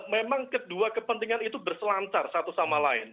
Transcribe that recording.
memang kedua kepentingan itu berselancar satu sama lain